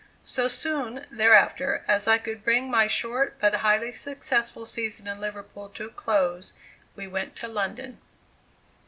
So soon, therefore, as I could bring my short, but highly successful season in Liverpool to a close, we went to London.